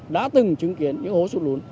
đã từng chứng kiến những hố sụt lún